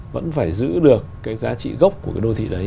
vẫn phải giữ được cái giá trị gốc của cái đô thị đấy